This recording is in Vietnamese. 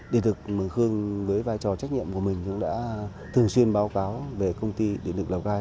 điện lực mường khương với vai trò trách nhiệm của mình cũng đã thường xuyên báo cáo về công ty điện lực lào cai